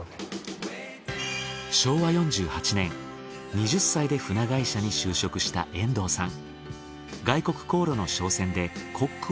２０歳で船会社に就職した遠藤さん。